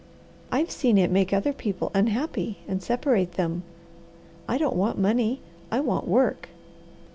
I've seen it make other people unhappy and separate them. I don't want money, I want work.